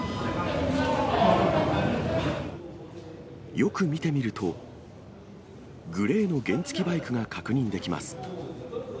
よく見てみると、グレーの原付きバイクが確認できます。